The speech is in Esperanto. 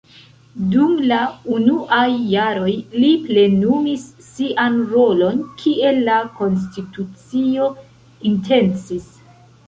Dum la unuaj jaroj li plenumis sian rolon kiel la konstitucio intencis.